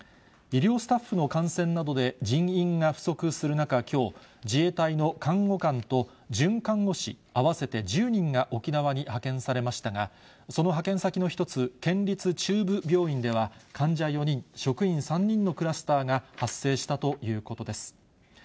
医療スタッフの感染などで人員が不足する中きょう、自衛隊の看護官と准看護師合わせて１０人が沖縄に派遣されましたが、その派遣先の一つ、県立中部病院では、患者４人、職員３人のクラスターが発生したということです。